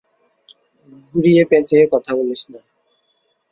ঘুরিয়ে-পেঁচিয়ে কথা বলিস না।